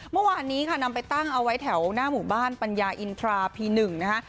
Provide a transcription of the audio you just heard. เมื่อวานนี้ค่ะนำไปตั้งเอาไว้แถวหน้าหมู่บ้านปัญญาอินทราพี๑นะคะ